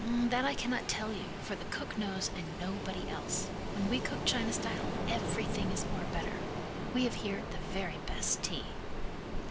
That I cannot tell you for the cook knows and nobody else. When we cook China style everything is more better. We have here the very best tea."